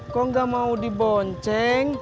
kok gak mau dibonceng